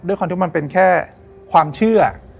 ความที่มันเป็นแค่ความเชื่อ